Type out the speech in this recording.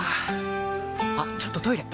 あっちょっとトイレ！